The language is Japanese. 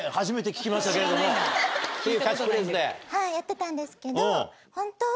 はいやってたんですけど。